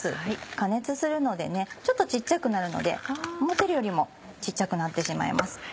加熱するのでちょっと小っちゃくなるので思ってるよりも小っちゃくなってしまいます。